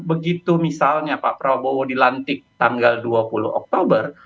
begitu misalnya pak prabowo dilantik tanggal dua puluh oktober